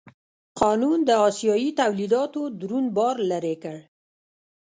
قانون د اسیايي تولیداتو دروند بار لرې کړ.